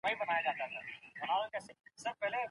څنګه اتحادیې د کارګرانو ملاتړ کوي؟